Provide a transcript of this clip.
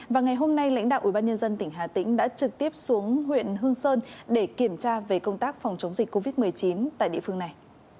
và ngày hôm nay lãnh đạo ubnd tỉnh hà tĩnh đã trực tiếp xuống huyện hương sơn để kiểm tra về công tác phòng chống dịch covid một mươi chín tại địa phương này